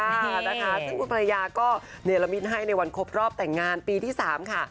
ค่ะนะคะซึ่งคุณภรรยาก็เนรมิตให้ในวันครบรอบแต่งงานปีที่สามค่ะ